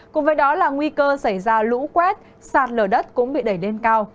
cùng với đó là nguy cơ xảy ra lũ quét sạt lở đất cũng bị đẩy lên cao